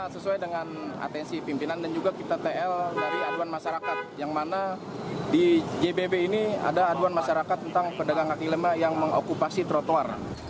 sesuai dengan atensi pimpinan dan juga kita tl dari aduan masyarakat yang mana di jbb ini ada aduan masyarakat tentang pedagang kaki lima yang mengokupasi trotoar